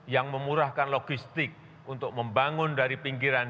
yang memurahkan logistik untuk membangun dari pinggiran